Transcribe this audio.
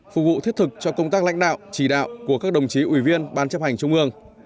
phục vụ thiết thực cho công tác lãnh đạo chỉ đạo của các đồng chí ủy viên ban chấp hành trung ương